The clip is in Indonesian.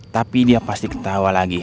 tapi dia pasti ketawa lagi